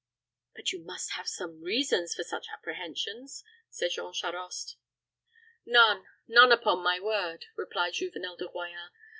"But you must have some reasons for such apprehensions," said Jean Charost. "None none, upon my word," replied Juvenel de Royans.